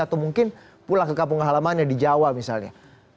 atau mungkin pulang ke kampung halamannya di jawa misalnya